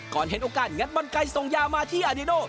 เห็นโอกาสงัดบอลไก่ส่งยามาที่อานิโน